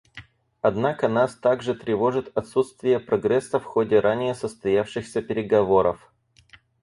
Однако нас также тревожит отсутствие прогресса в ходе ранее состоявшихся переговоров.